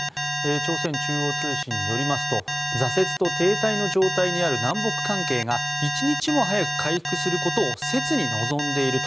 朝鮮中央通信によりますと挫折と停滞の状態にある南北関係が一日も早く回復することを切に望んでいると。